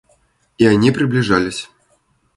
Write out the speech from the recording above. И они приближались.